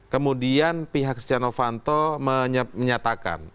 kemudian pihak stiano fanto menyatakan